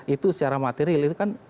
itu secara material itu kan